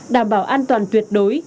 đảm bảo an toàn tuyệt đối